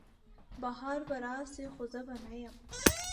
بهار به راسي خو زه به نه یم